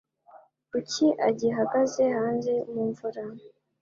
Kuki agihagaze hanze mumvura?